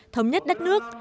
thống nhất đất nước